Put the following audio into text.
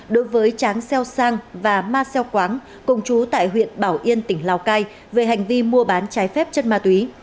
đối với tráng xeo sang và ma xeo khoáng cùng chú tại huyện bảo yên tỉnh lào cai về hành vi mua bán trái phép chất ma túy